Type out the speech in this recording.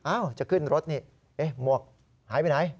อ้าวจะขึ้นรถนี่เอ๊ะหมวกหายไปไหน